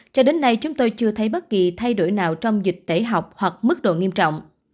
cho đến nay chúng tôi chưa thấy bất kỳ thay đổi nào trong dịch tễ học hoặc mức độ nghiêm trọng